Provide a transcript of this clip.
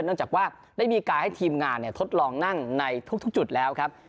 เนื่องจากว่าได้มีการให้ทีมงานทดลองนั่งในทุกจุดแล้วครับ